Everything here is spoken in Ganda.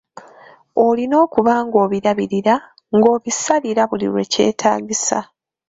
Olina okuba ng‘obirabirira, ng‘obisalira buli lwekyetaagisa.